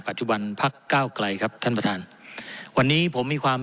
ปัจจุบันพักเก้าไกลครับท่านประธานวันนี้ผมมีความ